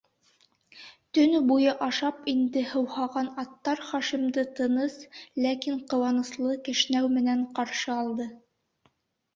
Төнө буйы ашап инде һыуһаған аттар Хашимды тыныс, ләкин ҡыуаныслы кешнәү менән ҡаршы алды.